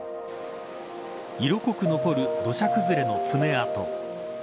色濃く残る土砂崩れの爪痕。